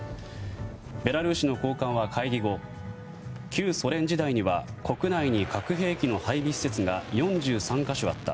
ベラルーシの高官は会議後旧ソ連時代には国内に、核兵器の配備施設が４３か所あった。